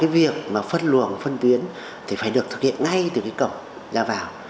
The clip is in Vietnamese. việc phân luồng và phân tuyến phải được thực hiện ngay từ cổng ra vào